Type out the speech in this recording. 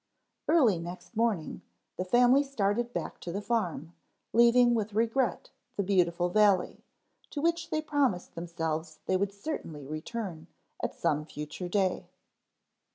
_ EARLY next morning the family started back to the farm, leaving with regret the beautiful valley, to which they promised themselves they would certainly return at some future day.